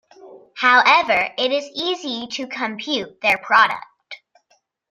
However, it is easy to compute their product.